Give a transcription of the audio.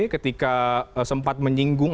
ketika sempat menyinggung